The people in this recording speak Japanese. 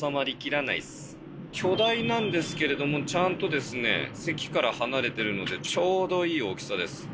巨大なんですけれどもちゃんと席から離れてるのでちょうどいい大きさです。